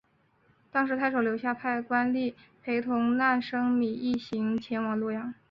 当时太守刘夏派官吏陪同难升米一行前往洛阳。